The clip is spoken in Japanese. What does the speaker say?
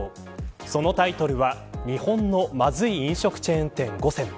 そのタイトルは日本のまずい飲食チェーン店５選